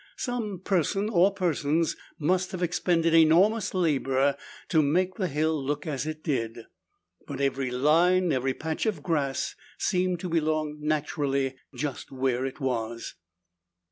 Some person, or persons, must have expended enormous labor to make the hill look as it did. But every line, every patch of grass, seemed to belong naturally just where it was.